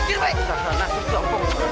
nanti aku ajak